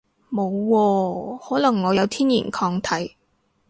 冇喎，可能我有天然抗體